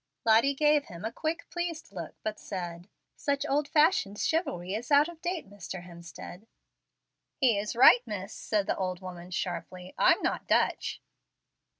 Lottie gave him a quick, pleased look, but said, "Such old fashioned chivalry is out of date, Mr. Hemstead." "He's right, miss," said the old woman, sharply. "I'm not Dutch."